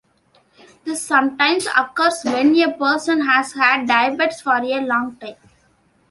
This sometimes occurs when a person has had diabetes for a long time.